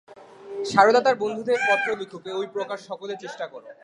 সারদা তার বন্ধুদের পত্র লিখুক, ঐ প্রকার সকলে চেষ্টা কর।